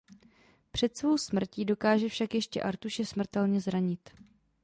Před svou smrtí dokáže však ještě Artuše smrtelně zranit.